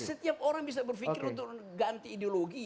setiap orang bisa berpikir untuk ganti ideologi